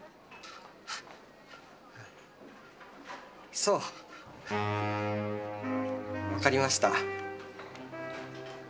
そう分かりました。